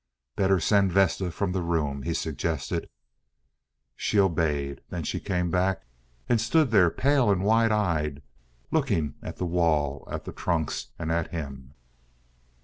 "Better send Vesta from the room," he suggested. She obeyed. Then she came back and stood there pale and wide eyed, looking at the wall, at the trunks, and at him.